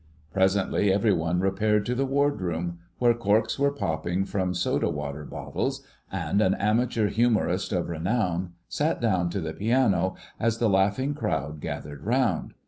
Presently every one repaired to the Wardroom, where corks were popping from soda water bottles, and an amateur humourist of renown sat down to the piano as the laughing crowd gathered round.